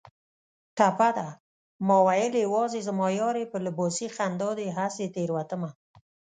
ټپه ده: ماوېل یوازې زما یار یې په لباسي خندا دې هسې تېروتمه